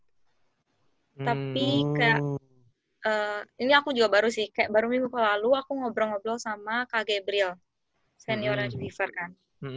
tapi kayak ini aku juga baru sih kayak baru minggu lalu aku ngobrol ngobrol sama kak gebriel senior archifer kan